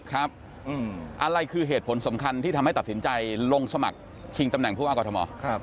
ครับอะไรคือเหตุผลสำคัญที่ทำให้ตัดสินใจลงสมัครคิงตำแหน่งผู้อากาศมอธิบัติครับ